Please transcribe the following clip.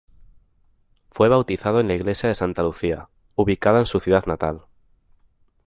Fue bautizado en la Iglesia de Santa Lucía ubicada en su ciudad natal.